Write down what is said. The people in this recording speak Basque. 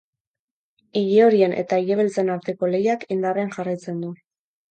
Ilehorien eta ilebeltzen arteko lehiak indarrean jarraitzen du.